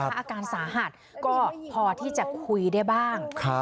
อาการสาหัสก็พอที่จะคุยได้บ้าง